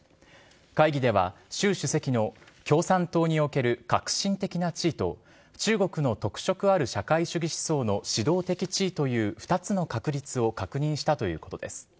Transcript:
会議では、習主席の共産党における核心的な地位と中国の特色ある社会主義思想の指導的地位という２つの確立を確認したということです。